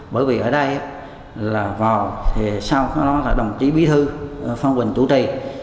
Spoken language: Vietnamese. bởi vì ở đây là vào thì sau đó là đồng chí bí thư phan quỳnh chủ trì